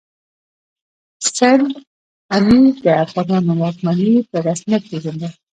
سند امیر د افغانانو واکمني په رسمیت پېژندل.